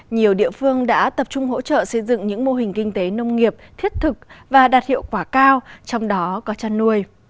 nhiều địa phương đã tập trung hỗ trợ xây dựng những mô hình kinh tế nông nghiệp thiết thực và đạt hiệu quả cao trong đó có chăn nuôi